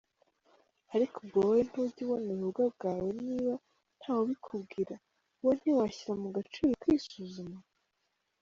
Ariko ubwo wowe ntujya ubona ububwa bwawe, niba ntawubikubwira, wowe ntiwashyira mu gaciro ukisuzuma?